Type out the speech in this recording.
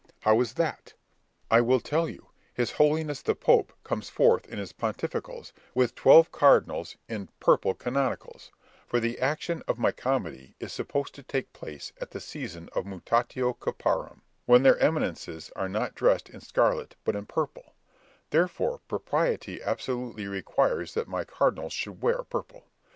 "How is that?" "I will tell you! His Holiness the Pope comes forth in his pontificals, with twelve cardinals in purple canonicals—for the action of my comedy is supposed to take place at the season of mutatio caparum, when their eminences are not dressed in scarlet but in purple—therefore propriety absolutely requires that my cardinals should wear purple.